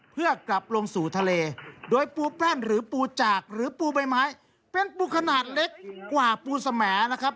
เพื่อกลับลงสู่ทะเลโดยปูแป้นหรือปูจากหรือปูใบไม้เป็นปูขนาดเล็กกว่าปูสแมนะครับ